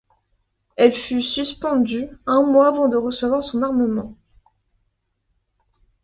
Elle fut suspendue un mois avant de recevoir son armement.